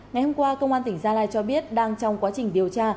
ngày hôm qua công an tỉnh gia lai cho biết đang trong quá trình điều tra